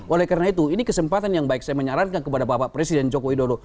oleh karena itu ini kesempatan yang baik saya menyarankan kepada bapak presiden joko widodo